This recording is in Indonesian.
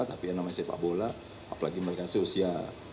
tapi yang namanya sepak bola apalagi mereka seusia lima belas enam belas